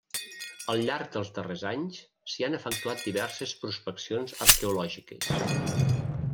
Al llarg dels darrers anys s'hi han efectuat diverses prospeccions arqueològiques.